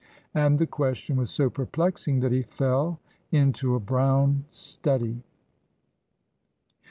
And the question was so perplexing that he fell into a brown study.